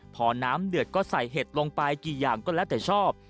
พอน้ำเดือดก็ใส่เห็ดลงไปกี่อย่างก็แล้วแต่ชอบ